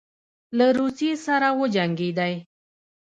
له روسیې سره وجنګېدی.